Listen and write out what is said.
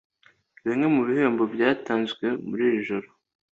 Bimwe mu bihembo byatanzwe muri iri joro